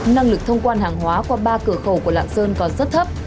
năng lực thông quan hàng hóa qua ba cửa khẩu của lạng sơn còn rất thấp